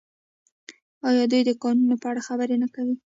آیا دوی د کانونو په اړه خبرې نه کوي؟